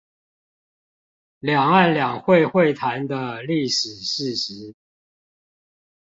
兩岸兩會會談的歷史事實